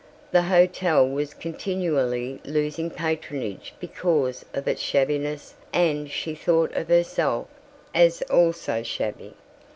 The hotel was continually losing patronage because of its shabbiness and she thought of herself as also shabby.